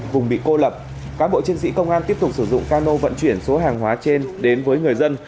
qua nô vận chuyển số hàng hóa trên đến với người dân